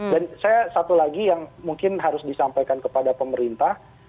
dan saya satu lagi yang mungkin harus disampaikan kepada pemerintah